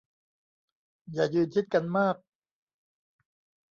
อย่ายืนชิดกันมาก